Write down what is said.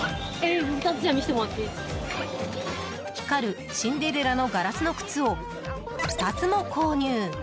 光るシンデレラのガラスの靴を２つも購入！